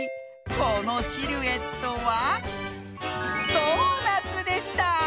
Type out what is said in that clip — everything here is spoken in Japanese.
このシルエットはドーナツでした。